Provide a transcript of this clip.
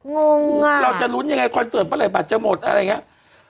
งงอ่ะเราจะลุ้นยังไงคอนเสิร์ตเมื่อไหบัตรจะหมดอะไรอย่างนี้